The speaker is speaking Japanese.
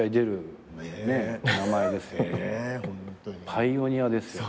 パイオニアですよ。